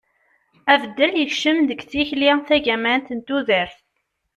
abeddel yekcem deg tikli tagamant n tudert